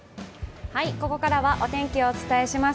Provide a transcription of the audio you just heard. ここからはお天気をお伝えします。